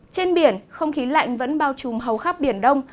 trên biển không khí lạnh vẫn bao trùm hầu khắp biển đông